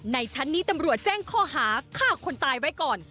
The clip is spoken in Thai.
ชั้นนี้ตำรวจแจ้งข้อหาฆ่าคนตายไว้ก่อน